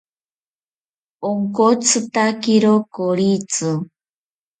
Onkotzitakiro koritzi